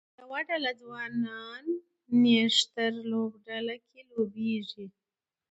یوه ډله ځوانان نښتر لوبډله کې لوبیږي